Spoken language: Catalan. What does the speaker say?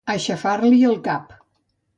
Aixafar-li el cap.